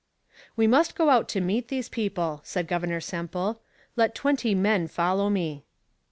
'We must go out to meet these people,' said Governor Semple: 'let twenty men follow me.'